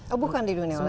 oh bukan di dunia olahraga